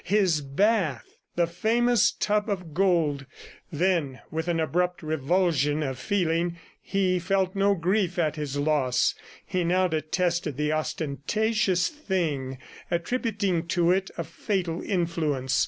His bath! The famous tub of gold! ... Then with an abrupt revulsion of feeling, he felt no grief at his loss. He now detested the ostentatious thing, attributing to it a fatal influence.